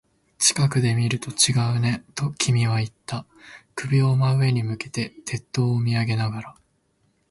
近くで見ると違うね、と君は言った。首を真上に向けて、鉄塔を見上げながら。